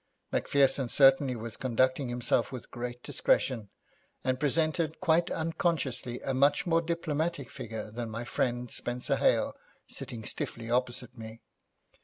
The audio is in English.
Macpherson certainly was conducting himself with great discretion, and presented, quite unconsciously, a much more diplomatic figure than my friend, Spenser Hale, sitting stiffly opposite me.